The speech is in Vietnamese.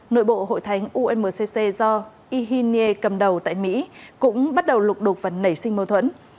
nội bộ hội thánh umcc do ihinie cầm đầu tại mỹ cũng bắt đầu lục đục và nảy sinh mâu thuẫn